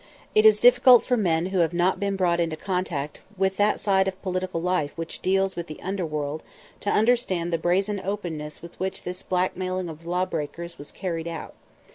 It is difficult for men who have not been brought into contact with that side of political life which deals with the underworld to understand the brazen openness with which this blackmailing of lawbreakers was carried out.